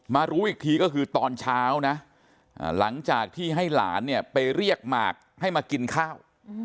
รู้อีกทีก็คือตอนเช้านะหลังจากที่ให้หลานเนี่ยไปเรียกหมากให้มากินข้าว